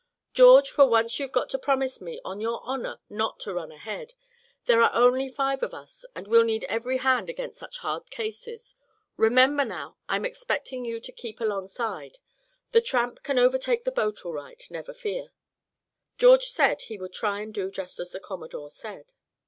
George, for once you've got to promise me on your honor not to run ahead. There are only five of us, and we'll need every hand against such hard cases. Remember now, I'm expecting you to keep alongside. The Tramp can overtake that boat all right, never fear." George said he would try and do just as the Commodore said.